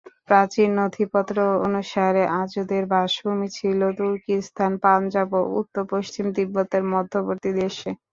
প্রাচীন নথিপত্র অনুসারে আর্যদের বাসভূমি ছিল তুর্কীস্থান, পাঞ্জাব ও উত্তর-পশ্চিম তিব্বতের মধ্যবর্তী দেশে।